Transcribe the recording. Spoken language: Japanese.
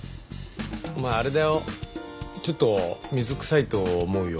お前あれだよちょっと水くさいと思うよ。